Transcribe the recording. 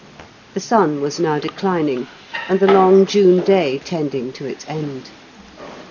The sun was now declining, and the long June day tending to its end.